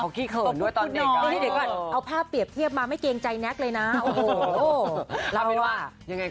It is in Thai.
เขากี้เขินด้วยตอนเด็กก่อนเอาภาพเปรียบเทียบมาไม่เกรงใจแน็กเลยนะ